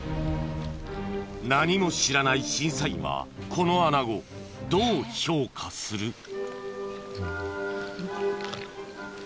何も知らない審査員はこの穴子どう評価する？